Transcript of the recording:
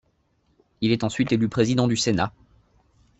Il est ensuite élu président du Sénat.